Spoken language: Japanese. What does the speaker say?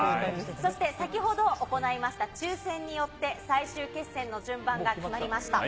そして先ほど行いました抽せんによって、最終決戦の順番が決まりました。